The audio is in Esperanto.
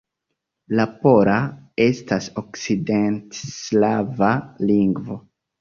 La pola estas okcidentslava lingvo.